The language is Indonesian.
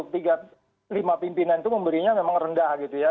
lima pimpinan itu memberinya memang rendah gitu ya